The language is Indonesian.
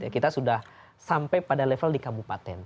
kita sudah sampai pada level di kabupaten